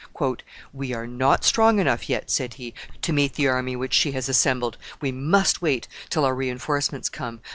"We are not strong enough yet," said he, "to meet the army which she has assembled. We must wait till our re enforcements come.